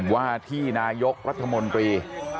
ว่าที่นายกรัฐมนตรี